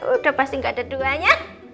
udah pasti gak ada duanya